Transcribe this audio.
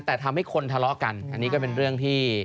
แต่ทำให้คนทะเลาะกันอันนี้ก็เป็นเรื่องที่